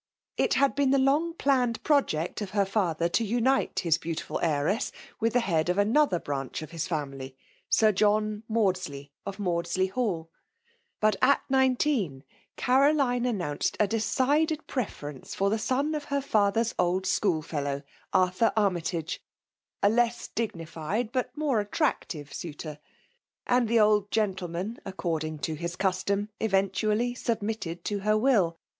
It had been the long jdanned project of her father to unite his beautifiil heiresa ivith the head of another ^^f^^ of his family. Sir John MaudaUy, of ^^^^^ley Hall ^ but at nineteen, Caroline au ^ooaced a decided pre&ronce for the bou of 28 FEMALE DOMlNATiOK: her father's old schoolfellow, Arthur Armytage; a less dignified, but more attractive suitor j and the old gentleman, according to his custom, eventually submitted to her will.